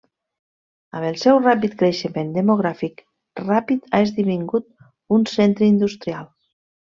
Amb el seu ràpid creixement demogràfic ràpid ha esdevingut un centre industrial.